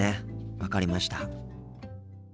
分かりました。